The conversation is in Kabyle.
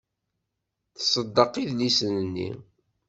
Tṣeddeq idlisen-nni.